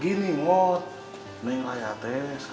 ini bagai aku